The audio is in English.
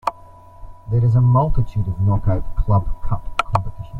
There is a multitude of knockout club cup competitions.